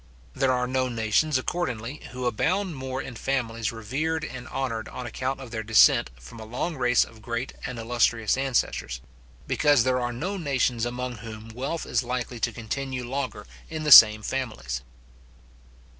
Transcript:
There are no nations, accordingly, who abound more in families revered and honoured on account of their descent from a long race of great and illustrious ancestors; because there are no nations among whom wealth is likely to continue longer in the same families.